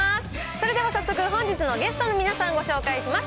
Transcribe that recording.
それでは早速、本日のゲストの皆さん、ご紹介します。